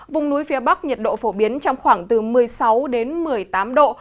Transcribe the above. vùng núi phía bắc nhiệt độ phổ biến trong khoảng từ một mươi sáu đến một mươi tám độ